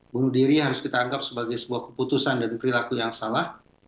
bunuh diri harus kita anggap sebagai sebuah keputusan dan perilaku yang salah